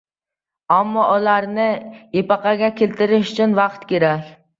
Ammo ularni epaqaga keltirish uchun vaqt kerak.